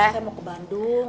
saya mau ke bandung